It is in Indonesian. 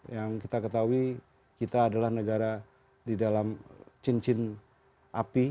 yang kita ketahui kita adalah negara di dalam cincin api